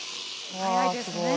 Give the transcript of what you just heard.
早いですね。